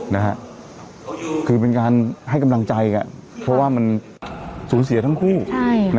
นะฮะคือเป็นการให้กำลังใจกันเพราะว่ามันสูญเสียทั้งคู่ใช่นะ